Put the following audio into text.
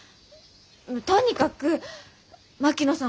とにかく槙野さん